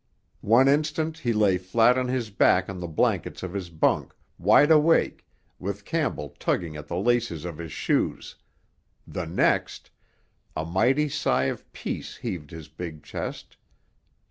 One instant he lay flat on his back on the blankets of his bunk, wide awake, with Campbell tugging at the laces of his shoes; the next—a mighty sigh of peace heaved his big chest.